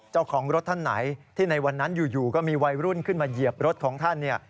เจ้าของรถท่านไหนที่ในวันนั้นอยู่ก็มีวัยรุ่นขึ้นมาเหยียบรถของท่าน